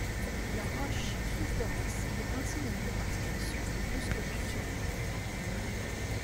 La roche Souffleresse est ainsi nommée parce qu’elle souffle brusquement sur les barques.